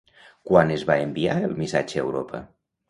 Quan es va enviar el missatge a Europa?